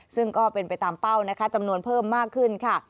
ซึ่งก็เป็นไปตามเป้านะคะจำนวนเพิ่มมากขึ้นค่ะ